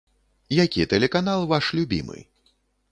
Які тэлеканал ваш любімы?